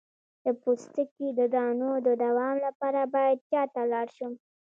د پوستکي د دانو د دوام لپاره باید چا ته لاړ شم؟